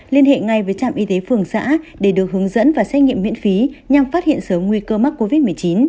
liên hệ ngay với trạm y tế phường xã để được hướng dẫn và xét nghiệm miễn phí nhằm phát hiện sớm nguy cơ mắc covid một mươi chín